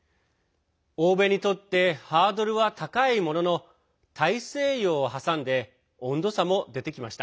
欧米にとってハードルは高いものの大西洋を挟んで温度差も出てきました。